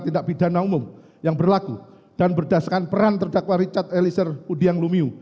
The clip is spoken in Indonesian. tindak pidana umum yang berlaku dan berdasarkan peran terdakwa richard eliezer budiang lumiu